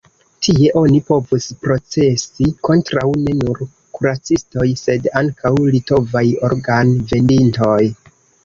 Tie oni povus procesi kontraŭ ne nur kuracistoj, sed ankaŭ litovaj organ-vendintoj.